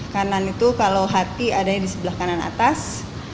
kanan itu kalau hati adanya di sebelah kanan atas